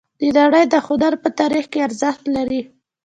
د نړۍ د هنر په تاریخ کې ارزښت لري